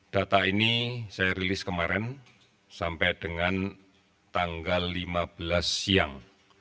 data ini saya rilis kemarin sampai dengan tanggal lima belas siang